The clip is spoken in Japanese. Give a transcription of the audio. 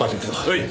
はい。